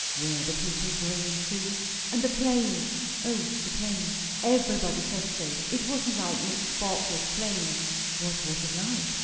"Were the people brilliant too?" "And the playing." "O, the playing!" "Everybody said so. It wasn't like Mrs. Barclay's playing." "What was it like?"